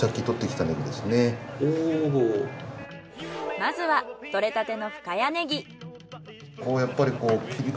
まずは採れたての深谷ネギ。